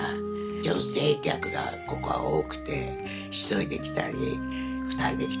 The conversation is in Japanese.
女性客がここは多くて１人で来たり２人で来たり。